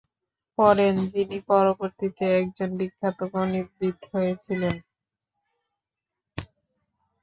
পরেন, যিনি পরবর্তীতে একজন বিখ্যাত গণিতবিদ হয়েছিলেন।